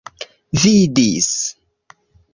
vidis